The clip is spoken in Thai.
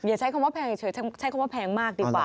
ใช้คำว่าแพงเฉยใช้คำว่าแพงมากดีกว่า